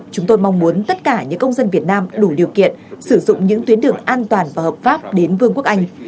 chúng tôi mong muốn tất cả những công dân việt nam đủ điều kiện sử dụng những tuyến đường an toàn và hợp pháp đến vương quốc anh